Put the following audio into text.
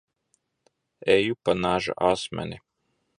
Eju pa naža asmeni.